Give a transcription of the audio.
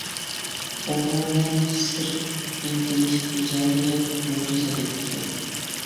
ئومۇمەن، سىر ئىنتىلىش، ئىجادىيەت، مۆجىزە دېمەكتۇر.